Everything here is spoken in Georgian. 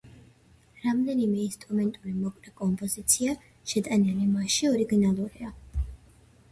რამდენიმე ინსტრუმენტული მოკლე კომპოზიცია, შეტანილი მასში, ორიგინალურია.